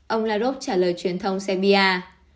ông lavrov trả lời truyền thông serbia